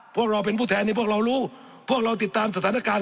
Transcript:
พวกเราเป็นผู้แทนที่พวกเรารู้พวกเราติดตามสถานการณ์